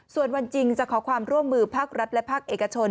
ส่วนวันจริงจะขอความร่วมมือภาครัฐและภาคเอกชน